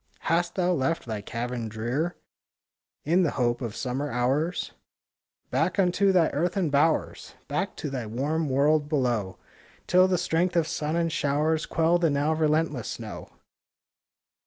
Hast thou left thy cavern drear, In the hope of summer hours? Back unto thy earthen bowers ! Back to thy warm world below, Till the strength of sun and showers Quell the now relentless snow!